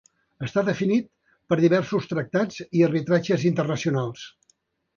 Està definit per diversos tractats i arbitratges internacionals.